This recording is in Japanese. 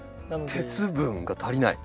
鉄分が足りない？